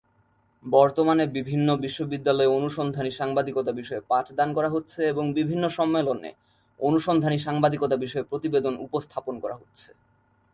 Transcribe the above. বর্তমানে বিভিন্ন বিশ্ববিদ্যালয়ে অনুসন্ধানী সাংবাদিকতা বিষয়ে পাঠদান করা হচ্ছে এবং বিভিন্ন সম্মেলনে অনুসন্ধানী সাংবাদিকতা বিষয়ে প্রতিবেদন উপস্থাপন করা হচ্ছে।